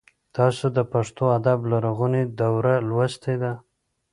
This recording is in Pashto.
تاسو د پښتو ادب لرغونې دوره لوستلې ده؟